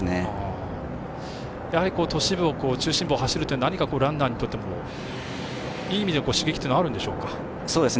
都市部、中心部を走るっていうのはランナーにとっても、いい意味で刺激ってあるのでしょうか。